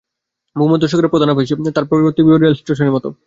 ভূমধ্যসাগরমুখে প্রধান আফিস, আর প্রত্যেক বিভাগেই রেল ষ্টেশনের মত ষ্টেশন।